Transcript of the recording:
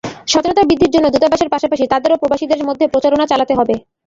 সচেতনতা বৃদ্ধির জন্য দূতাবাসের পাশাপাশি তাদেরও প্রবাসীদের মধ্যে প্রচারণা চালাতে হবে।